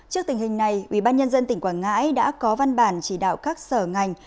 trước tình hình này ubnd tỉnh quảng ngãi đã có văn bản chỉ đạo các sở ngành